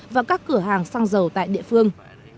và các cửa hàng sang giàu tại địa phương